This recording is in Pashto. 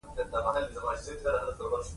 بزګر ته د حاصل خندا د خوښې دلیل وي